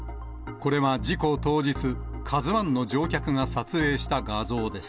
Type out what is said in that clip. これは事故当日、ＫＡＺＵＩの乗客が撮影した画像です。